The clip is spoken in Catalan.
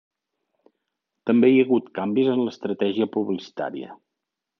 També hi ha hagut canvis en l'estratègia publicitària.